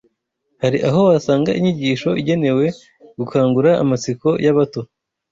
hari aho wasanga inyigisho igenewe gukangura amatsiko y’abato